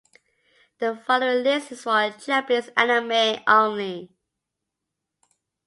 The following list is for Japanese anime only.